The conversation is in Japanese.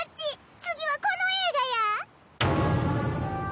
次はこの映画や。